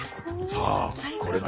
さあこれが。